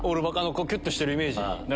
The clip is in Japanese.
キュっとしてるイメージ。